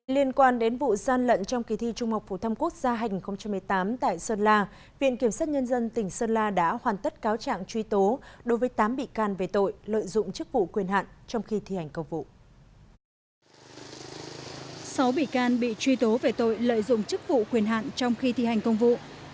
liên quan đến vụ gian lận trong kỳ thi trung học phủ thăm quốc gia hành một mươi tám tại sơn la viện kiểm sát nhân dân tỉnh sơn la đã hoàn tất cáo trạng truy tố đối với tám bị can về tội lợi dụng chức vụ quyền hạn trong khi thi hành công vụ